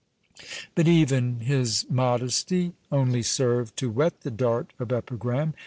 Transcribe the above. But even his modesty only served to whet the dart of epigram.